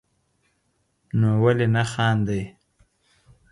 نو ولي نه خاندئ